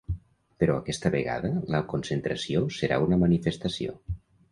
Però aquesta vegada la concentració serà una manifestació.